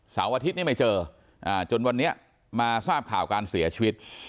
อาทิตย์นี่ไม่เจอจนวันนี้มาทราบข่าวการเสียชีวิต